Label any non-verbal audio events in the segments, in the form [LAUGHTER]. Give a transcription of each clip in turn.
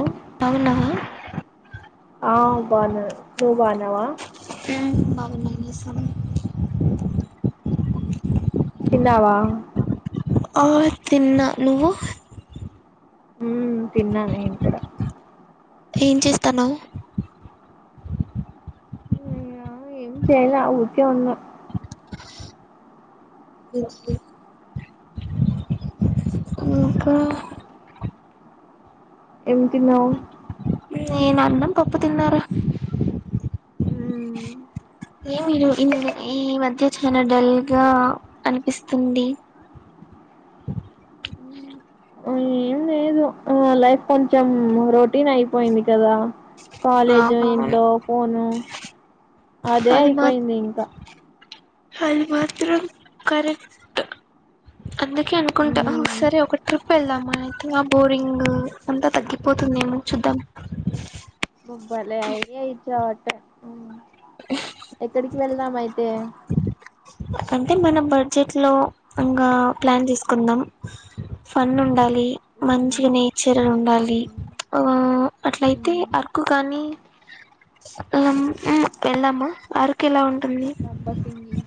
ఆ అవునా ఆ బాన్న నువ్వు బావున్నావా ఉం బాగున్నా ఎం చేస్తున్నావ్ తిన్నావా ఆ తిన్న నువ్వు ఉం తిన్నా నేను కూడా ఏం చేస్తున్నావ్ అయ్యా ఏం చేయలా ఊరికే వన్న ఇంకా ఏం తిన్నావు నేను అన్నం పప్పు తిన్నారా మ్మ్, ఏ మీరు ఇ ఈ మధ్య చాలా డల్గా అనిపిస్తుంది ఏం లేదు ఆ లైఫ్ కొంచెం రొటీన్ అయిపోయింది కదా కాలేజు అవును ఇంట్లో ఫోను అదే అది మా అయిపోయింది. ఇంక అది మాత్రం కరెక్ట్. అందుకే అనుకుంట. సరే ఉమ్ ఒక ట్రిప్ వెళ్దాం. మనకి ఆ బోరింగ్ అంత తగ్గిపోతుందేమో! చూద్దాం. భలే! ఐడియ ఇచ్చావ్ [UNINTELLIGIBLE] ఎక్కడికి వెళ్ దా మయితే అంటే మన బడ్జెట్ లో ఇంకా ప్లాన్ చేసుకుందాం ఫన్ ఉండాలి. ఉమ్ మంచిగ నేచర్గ ఉండాలి. ఆఁ అట్లయితే ఉమ్ అరకు కానీ, ఊఁ వెళ్దామా? అరకు ఎలా ఉంటుంది? లంబసింగి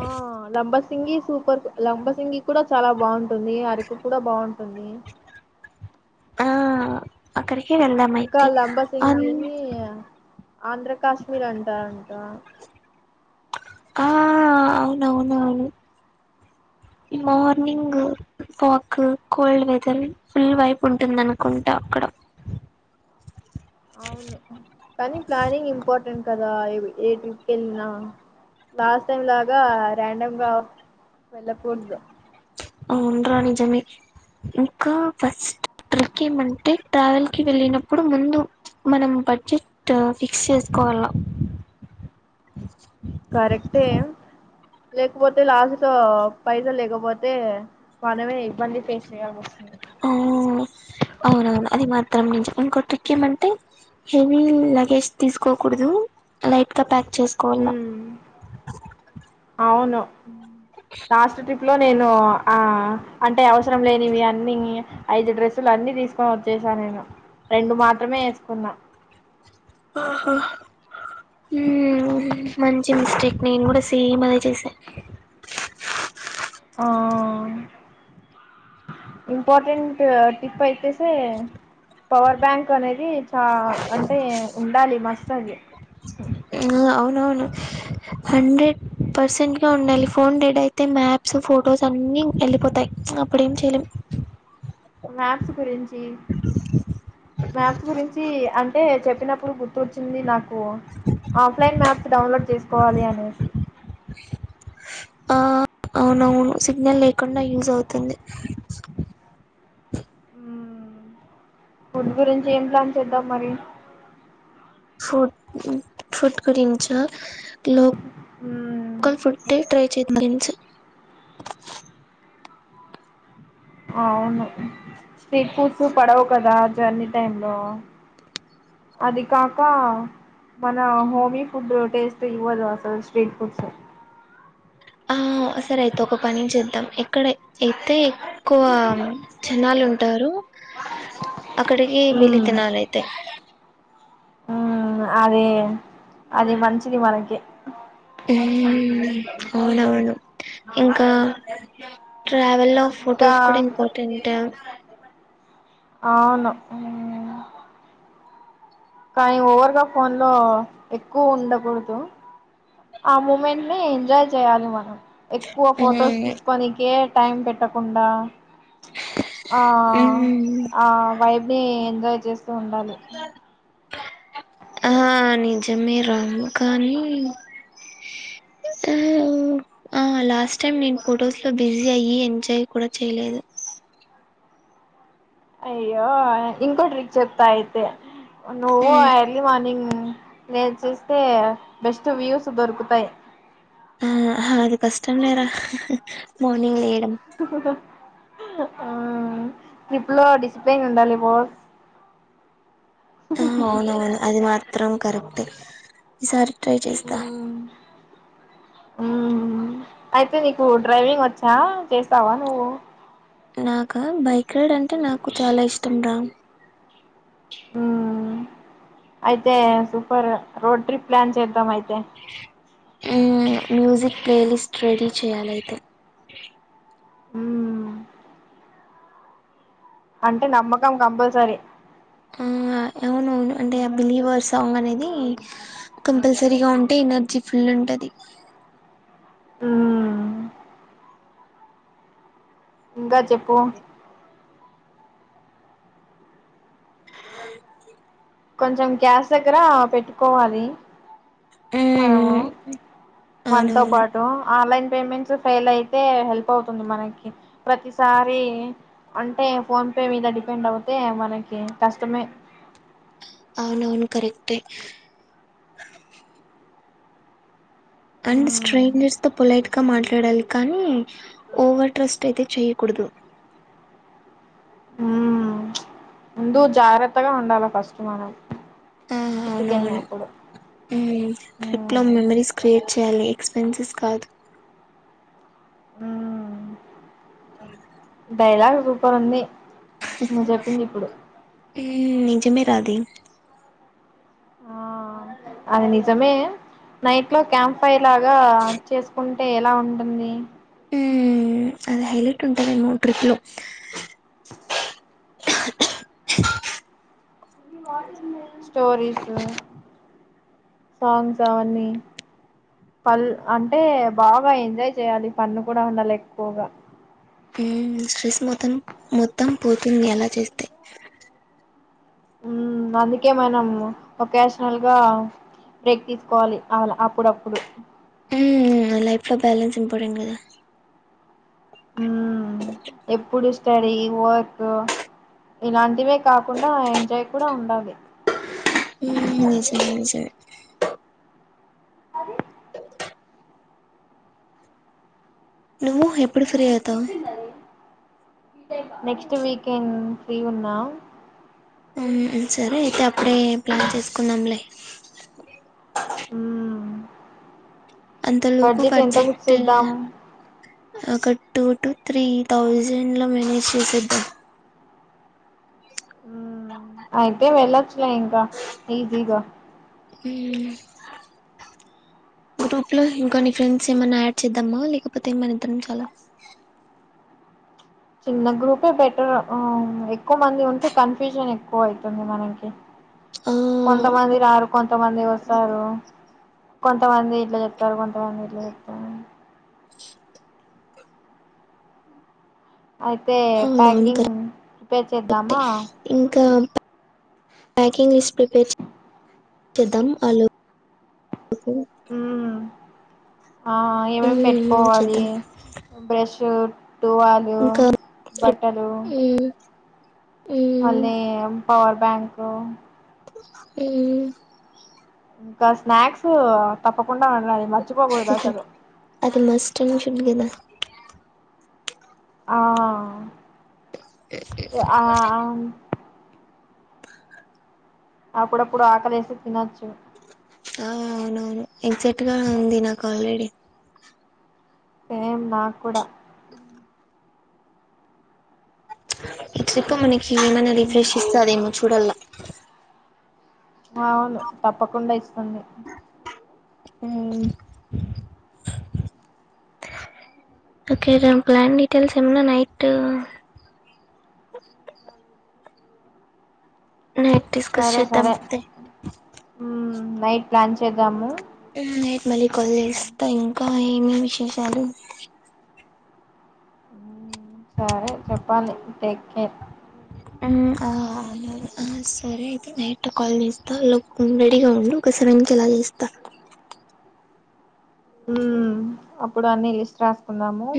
ఆ లంబసింగి సూపర్! లంబసింగి కూడా చాలా బాగుంటుంది. అరకు కూడా బాగుంటుంది. ఆ అక్కడె. ఇంకా లంబసింగినీ ఆంధ్ర కాశ్మీర్ అంటా దా. ఆహ్! అవునవునవును. ఇ ఉమ్, morning. Pak, cold weather full వైపు ఉంటుందనుకుంటా. అక్కడ అవును కనీ, ప్లానింగ్ ఇంపార్టెంట్. కదా! ఏ ట్రిప్ ఎళ్ళినా లాస్ట్ టైం లాగా, రాండమ్ గా వెళ్ళకూడదు. ఔన్రా నిజమే! ఇంకా ఫస్ట్ ట్రిక్ ఏమంటే ట్రావెల్ కి వెళ్ళినప్పుడు, ముందు మనం బడ్జెట్ ఫిక్స్ చేసుకోవాల. కరెక్టే! లేకపోతె! లాస్ట్ కూ పైసల్ లేకపోతే, మనమే ఇబ్బంది ఫేస్ చేయాల్సి వస్తుంది ఆ అవునవును అది మత్ అం నుంచి ఇంకో ట్రిక్ ఏమంటే, హెవీ లగేజ్ తీసుకోకూడదు లైట్గ ప్యాక్ చేసుకోవల్ల. ఉమ్, అవును. లాస్ట్ ట్రిప్ లో నేను, ఆ అంటే అవసరం లేనివి అన్నీ ఐదు డ్రెస్సులన్నీ తీసుకొని వచ్చేసా నేను. రెండు మాత్రమే ఏసుకున్నా. ఆహా! మ్మ్ మంచి మిస్టేక్ నేను గుడ సేమ్ అదే చేశ ఆ ఇంపార్టెంట్ టిప్ అయితే సే పవర్ బ్యాంక్ అనేది, చా అంటే ఉండాలి మస్ట్ తది మ్మ్ అవు అవును. హండ్రెడ్ పర్సెంట్ గా ఉండాలి. ఫోన్ డెడ్ అయితే మ్యాప్స్, ఫొటోస్ అన్ని ఎళ్ళిపోతయ్ అప్పుడేం చేయలేం. మ్యాథ్స్ గురించి, మ్యాథ్స్ గురించి అంటే? చెప్పినప్పుడు గుర్తొచ్చింది. నాక్ కు ఆఫ్లైన్ మ్యాప్స్ డౌన్లోడ్ చేసుకోవాలి అనేసి ఆ అవునవును సిగ్నల్ లేకుండా యూజ్ అవుతుంది మ్మ్ ఫుడ్ గురించి ఏం ప్లాన్ చేద్దాం మరి ఫుడ్ మ్మ్ గురించా లోక్ కల్ ఫుడ్డే ట్రై చెట్నింగ్స్ అవును స్ట్రీట్ ఫుడ్స్ పడవు కదా జర్నీ టైమ్ లో అది కాక మన హోమీ ఫుడ్ టేస్ట్ ఇవ్వదు అసలు స్ట్రీట్ ఫుడ్స్ ఆ.... సరే అయితే ఒక పని చేద్దాం. ఇక్ అక్కడ అయితే క్కువ జనాలు ఉన్ టారు అక్కడకి వెళ్ళి తినాలి అయితే మ్మ్..... అదే అది మంచిది మనకే మ్మ్.... అవునవును ఇంకా ట్రావెల్లో ఇంకా ఫోటోస్ కూడా ఇంపార్టెంటే అవును మ్మ్ కానీ ఓవర్ గా ఫోన్ లో ఎక్కువ ఉండకూడదు ఆ మూమెంట్ నీ ఎంజాయ్ చేయాలి మనం ఎక్కువ ఫొటోస్ మ్మ్ తీసుకోనికే టైమ్ పెట్టకుండా ఆ మ్మ్ ఆ ఆ వైబ్ నీ ఎన్ సేవ్ చెస్ తో ఉండాలి ఆ నిజమే రాము కానీ, ఆ లాస్ట్ టైమ్ నేను ఫొటోస్ లో బిజీ అయ్యి, ఎంజాయ్ కూడా చేయలేదు. అయ్యో ఇంకోటి రిచ్ చెప్తా అయితే నువు మ్మ్. ఎర్లీ మార్నింగ్ నేను చూస్తే బెస్ట్ వ్యూస్ దొరుకుతాయి. ఆ అది కష్టం లేరా మార్నింగ్ లేట్ హహహ [UNINTELLIGIBLE] ఆ ట్రిప్ లో డిసిప్లయిన్ ఉండాలి బాస్ ఆ అవునవును అది మాత్ర చిత్రం కరెక్టే ఈ సారి ట్రై చేస్త ఉ అయితే నీకు డ్రైవింగ్ వచ్చా చేస్తావా నువ్వు. నాక బైక్ రైడ్ అంటే నాకు చాలా ఇష్టం రా. హు అయితే సూపర్ రోడ్ ట్రిప్ ప్లాన్ చేద్దాం. అయితే అంటే మ్మ్ మ్యూజిక్ ప్లేలిస్ట్ రెడీ చేయాలైతే ఊ అంటే నమ్మకం కంపల్సరీ. ఆ అవునవును అంటే ఆ బిలీవర్ సాంగ్ అనేది ఇ కంపల్సరీగా ఉంటే ఎనర్జీ ఫుల్ ఉంటది. ఆ ఇంకా చె ప్పు కొంచెం క్యాస్ దగ్గర పెట్టుకోవాలి. మనము మ్మ్ మనతో అవునవును పాటు ఆన్లైన్ పేమెంట్స్ ఫెయిల్ అయితే హెల్ప్ అవుతుంది. మనకి ప్రతిసారి అంటే ఫోన్ పే మీద డిపెండ్ అవుతే మనకి కష్టమే. అవున అవును కరెక్ట్. అండ్ మ్మ్ స్ట్రైంజర్స్ తో పొలైట్ మాట్లాడాలి కానీ ఓవర్ ట్రస్ట్ అయితే చేయకూడదు. ఉ ముందు జాగ్రత్తగా ఉండాలి ఫస్ట్ మనం. ఆ ట్రిప్కి అవునవును వెళ్ళినప్పుడు హు ట్రిప్ లో ఉమ్ మెమరీస్ క్రియేట్ చేయ్యాలి. స్పెన్సస్ కాదు. ఊ డైలాగ్ సూపరుంది నువ్వు చెప్పింది ఇప్పుడు ఉ నిజమే రాధే ఆ అది నిజమే నైట్ లో క్యాంప్ ఫై లాగా చేసుకుంటే ఎలా ఉంటుంది. ఉ అది హైలైట్ ఉంటాదెమో ట్రిప్ లో [UNINTELLIGIBLE] స్టోరీసు సాంగ్స్ అవన్నీ పల్ అంటే బాగా ఎంజాయ్ చేయాలి ఫన్ కూడా ఉండాలి ఎక్కువగా స్ట్రెస్ మొత్తం మొత్తం పోతుంది అలా చేస్తే ఉం అందుకే మనం ఒకేషనల్ గా బ్రేక్ తీసుకోవాలి అలా అప్పుడప్పుడు ఉమ్ లైఫ్ లో బ్యాలెన్స్ ఇంపార్టెంట్ కదా ఊమ్ ఎప్పుడు స్టడీ వర్క్ ఇలాంటివే కాకుండా ఎంజాయ్ కూడా ఉండాలి ఉమ్ నిజమే నిజమే అది నువ్వు ఎప్పుడు ఫ్రీ అవుతావ్ నెక్స్ట్ వీకెండ్ ఫ్రీ ఉన్నా సరే అయితే అప్పుడే ప్లాన్ చేసుకుందంలే హుమ్ అంతలోపు బడ్జెట్ ఒక టూ టూ త్రీ థౌజండ్ లో మేనేజ్ చేసేద్దాం ఊ అయితే వెళ్లచ్చులే ఇంకా ఈజీగా గ్రూప్ లో ఇంకోన్ని ఫ్రెండ్స్ ఏమన్నా యాడ్ చేద్దామా లేకపోతే మనిద్దరం చాలా చిన్న గ్రూపే బెటర్ ఊ ఎక్కువ మంది ఉంటే కన్ఫ్యూజన్ ఎక్కువ అవుతుంది మనకి ఆ కొంతమంది రారు కొంతమంది వస్తారు కొంతమంది ఇట్లా చెప్తారు కొంతమంది ఇట్లా చెప్తారు అయితే అవునవును ప్యాకింగ్ ప్రిపేర్ కరెక్టే చేద్దామా ఇంకా ప్యాకింగ్ లిస్ట్ ప్రిపేర్ చే చేద్దాం ఆలో లోపు మ్మ్ ఆ ఏమేమి పెట్టుకోవాలి చేద్దాం బ్రష్ టూవాలు ఇంకా బట్టలు మ్మ్ మ్మ్ మళ్ళీ పవర్ బ్యాంకు హు ఇంకా స్నాక్స్ తప్పకూ అది మస్ట్ అండ్ స్టుడ్ కదా ఆ ఆ అప్పుడప్పుడు ఆకలి వేస్తే తినొచ్చు ఆ అవునవును ఎక్సైట్గా ఉంది నాకు ఆల్రెడీ సేమ్ నాకు కూడా ఈ ట్రిప్ మనకి ఏమైనా రిఫ్రెష్ ఇస్తదేమో చూడల్ల ఆవును తప్పకుండా ఇస్తుంది హూ ఓకే దాని ప్లాన్ డీటెయిల్స్ ఏమైనా నైటు నైట్ డిస్కస్ సరే చేద్దాం సరే అంతే నైట్ ప్లాన్ చేద్దాము ఉ నైట్ మళ్ళీ కాల్ చేస్తా ఇంకా ఏమి విశేషాలు సరే చెప్పాలి టేక్ కేర్ ఉ ఆ ఆ సరే అయితే నైట్ కాల్ చేస్తా ఆ లోపు నువ్వు రెడీగా ఉండు ఒక సెవెన్ కి అలా చేస్తా ఉ అప్పుడు అన్ని లిస్ట్ రాస్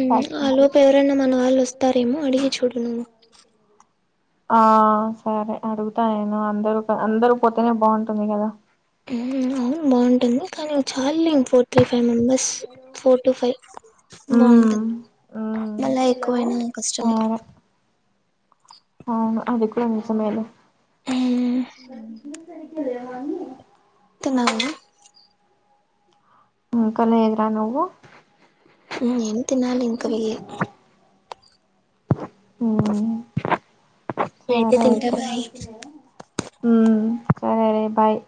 ఉ ఆ లోపు ఎవరైనా మన వాళ్ళు వస్తారేమో అడిగి చూడు హు ఆ సరే అడుగుతా నేను అందరు అందరు పోతేనే బాగుంటుంది కదా ఉ అవును బావుంటుంది కానీ చాల్లే ఫోర్ త్రీ ఫైవ్ మ మెంబర్స్ ఫోర్ టు ఫైవ్ ఉమ్, బావుంటది ఉమ్, మళ్ళా ఎక్కువైనా కష్టమె సరే అవును అది కూడా నిజమేలే ఉమ్ తిన్నావా ఊకనే ఏందిరా నువ్వు నేనేం తినాలి ఇంక పొయ్యి ఊ సరే తింటా అయితే బాయ్ ఊమ్ సరే బాయ్